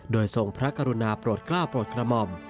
โดยทรงพระกรุณาโปรดกล้าโปรดกระหม่อม